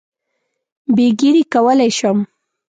بې ږیرې کولای شم.